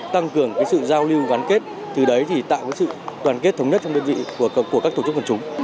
tăng cường sự giao lưu và gắn kết từ đấy tạo sự đoàn kết thống nhất trong đơn vị của các tổ chức phần chúng